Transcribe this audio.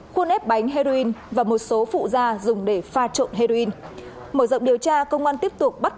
khuôn ép bánh heroin và một số phụ da dùng để pha trộn heroin mở rộng điều tra công an tiếp tục bắt